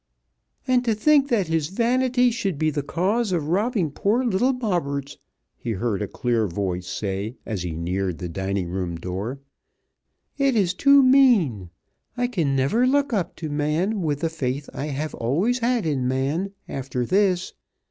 "And to think that his vanity should be the cause of robbing poor little Bobberts," he heard a clear voice say as he neared the dining room door. "It is too mean! I can never look up to man with the faith I have always had in man, after this.